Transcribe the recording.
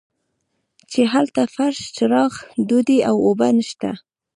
چې هلته فرش چراغ ډوډۍ او اوبه نشته.